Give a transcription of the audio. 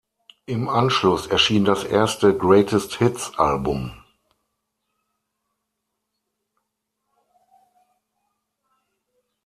Im Anschluss erschien das erste Greatest-Hits-Album.